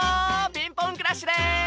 ピンポンクラッシュです！